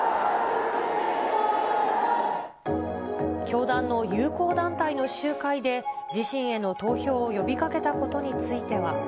教団の友好団体の集会で、自身への投票を呼びかけたことについては。